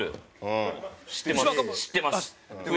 知ってます。